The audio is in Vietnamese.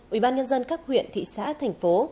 ủy ban nhân dân các huyện thị xã thành phố